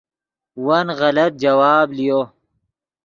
ون غلط جواب لیو